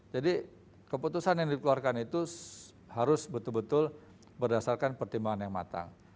jadi keputusan yang dikeluarkan itu harus betul betul berdasarkan pertimbangan yang matang